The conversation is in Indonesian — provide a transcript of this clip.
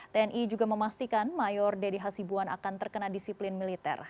tni juga memastikan mayor dedy hasibuan akan terkena disiplin militer